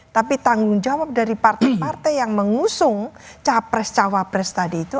tapi tanggung jawab dari partai partai yang mengusung capres cawapres tadi itu